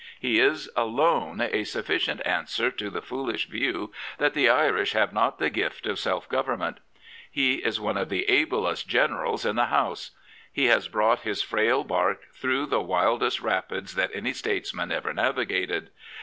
He is alone a suflBicient answer to the foolish view that the Irish have not the gift of self government. He is one ixo John Redmond of the ablest generals in the House. He has brought his frail barque through the wildest rapids that any ^atesman ever navigated.